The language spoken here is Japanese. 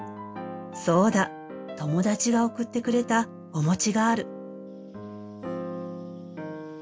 そうだ友達が送ってくれたお餅がある。